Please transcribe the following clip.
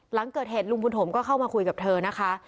หลังเกิดเหตุลุงบุญถมก็เข้ามาคุยกับเธอนะคะ